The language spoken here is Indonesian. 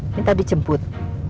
ini tadi jemput